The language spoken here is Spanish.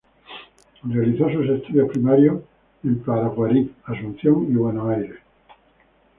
Realizó sus estudios primarios en Paraguarí, Asunción y Buenos Aires.